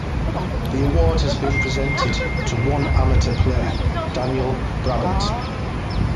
The award has been presented to one amateur player, Daniel Brabant.